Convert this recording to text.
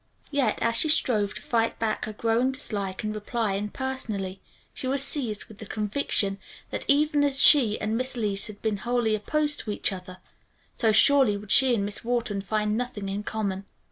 Yet, as she strove to fight back her growing dislike and reply impersonally, she was seized with the conviction that even as she and Miss Leece had been wholly opposed to each other, so surely would she and Miss Wharton find nothing in common.